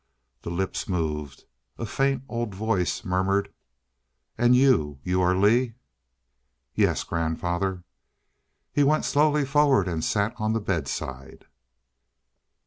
The lips moved; a faint old voice murmured: "And you you are Lee?" "Yes grandfather " He went slowly forward and sat on the bedside.